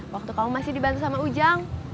waktu kamu masih dibantu sama ujang